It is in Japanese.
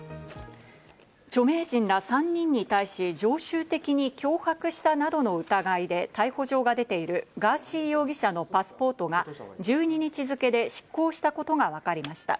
著名人ら３人に対し、常習的に脅迫したなどの疑いで逮捕状が出ているガーシー容疑者のパスポートが１２日付けで失効したことがわかりました。